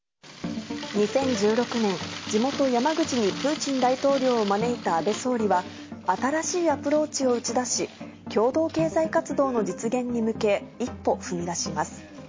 ２０１６年、地元、山口にプーチン大統領を招いた安倍総理は、新しいアプローチを打ち出し、共同経済活動の実現に向け、一歩踏み出します。